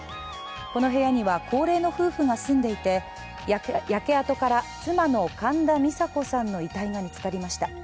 この部屋には高齢の夫婦が住んでいて、焼け跡から、妻の神田美佐子さんの遺体が見つかりました。